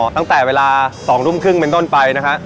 ตั้งแต่เวลา๒ทุ่มครึ่งเป็นต้นไปนะฮะ